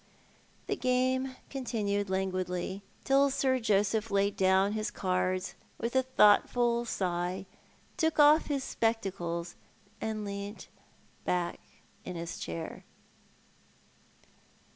The game continued languidly, till Sir Joseph laid down his cards with a thoughtful sigh, took oflf his spectacles, and leant back in his chair.